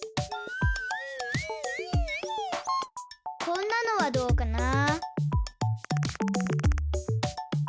こんなのはどうかな。